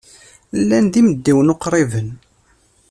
Llan d imidiwen uqriben.